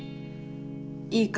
「いいか？